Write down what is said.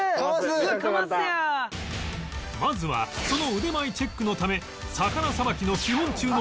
まずはその腕前チェックのため魚さばきの基本中の基本